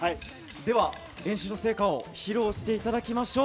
では練習の成果を披露していただきましょう。